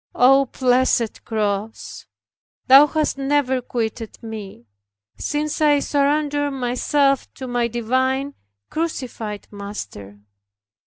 O blessed cross, thou hast never quitted me, since I surrendered myself to my divine, crucified Master.